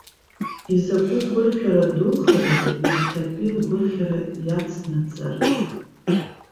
Изакә гәырӷьара духарызи иахьатәи лгәырӷьара иацнаҵарыз.